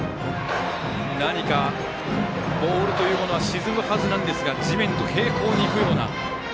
何かボールというものは沈むはずなんですが地面と平行にいくような。